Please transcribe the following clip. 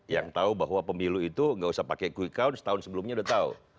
yang tahu bahwa pemilu itu nggak usah pakai quick count setahun sebelumnya udah tahu